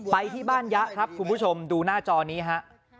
ไปที่บ้านยะครับคุณผู้ชมดูหน้าจอนี้ฮะ